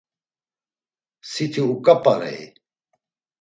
Siti uǩap̌arei?